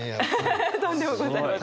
フフフとんでもございません。